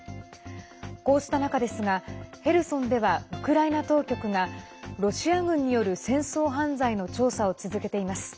こうした中ですがヘルソンではウクライナ当局がロシア軍による戦争犯罪の調査を続けています。